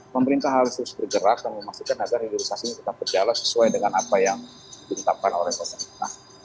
pemerintah harus terus bergerak dan memastikan agar hilirisasi ini tetap berjalan sesuai dengan apa yang ditetapkan oleh pemerintah